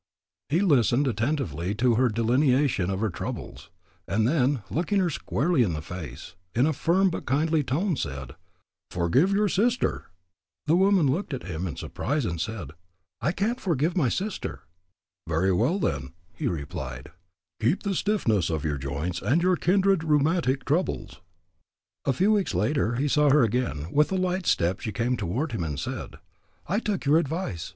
He listened attentively to her delineation of her troubles, and then, looking her squarely in the face, in a firm but kindly tone said: "Forgive your sister." The woman looked at him in surprise and said: "I can't forgive my sister." "Very well, then," he replied, "keep the stiffness of your joints and your kindred rheumatic troubles." A few weeks later he saw her again. With a light step she came toward him and said: "I took your advice.